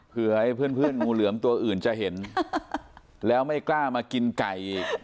เพื่อให้เพื่อนเพื่อนงูเหลือมตัวอื่นจะเห็นแล้วไม่กล้ามากินไก่อีก